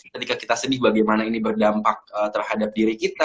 ketika kita sedih bagaimana ini berdampak terhadap diri kita